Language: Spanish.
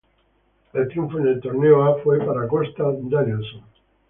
El triunfo en el Torneo A fue para Gösta Danielsson.